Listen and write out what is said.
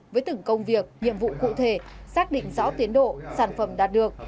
với từng công việc nhiệm vụ cụ thể xác định rõ tiến độ sản phẩm đạt được